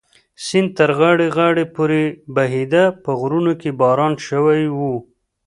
سیند تر غاړې غاړې پورې بهېده، په غرونو کې باران شوی و.